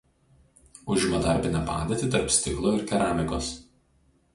Užima tarpinę padėtį tarp stiklo ir keramikos.